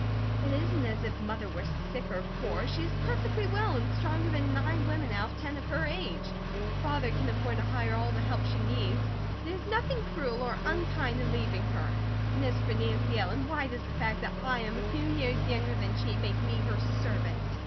"It isn't as if Mother were sick or poor, she is perfectly well and stronger than nine women out of ten of her age; Father can afford to hire all the help she needs; there is nothing cruel or unkind in leaving her; and as for Nancy Ellen, why does the fact that I am a few years younger than she, make me her servant?